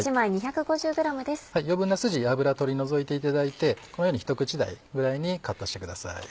余分なスジ脂取り除いていただいてこのように一口大ぐらいにカットしてください。